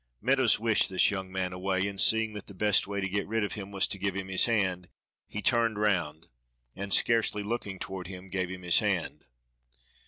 Meadows wished this young man away, and seeing that the best way to get rid of him was to give him his hand, he turned round, and, scarcely looking toward him, gave him his hand.